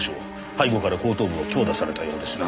背後から後頭部を強打されたようですな。